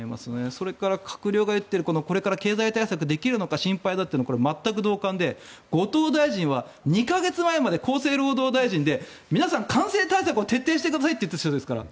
それから閣僚が言っているこれから経済対策できるのか心配だというこれは全く同感で後藤大臣は２か月前まで厚生労働大臣で皆さん感染対策を徹底してくださいと言っていた人ですから。